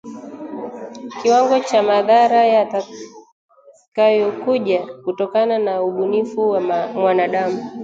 kiwango cha madhara yatakayokuja kutokana na ubunifu wa mwanadamu